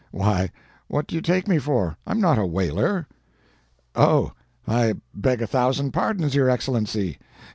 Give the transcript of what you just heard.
Why, what do you take me for? I'm not a whaler." "Oh! I beg a thousand pardons, your Excellency.